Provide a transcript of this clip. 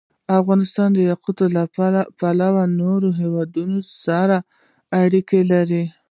افغانستان د یاقوت له پلوه له نورو هېوادونو سره اړیکې لري.